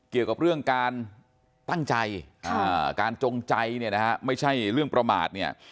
เกี่ยวกับเรื่องการตั้งใจการจงใจเนี่ยนะฮะไม่ใช่เรื่องประมาทเนี่ย